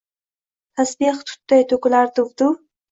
Tashbeh tutday toʼkilar duv-duv